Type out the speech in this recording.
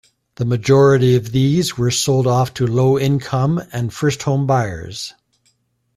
The majority of these were sold off to low income and first home buyers.